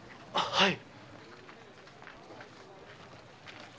はい。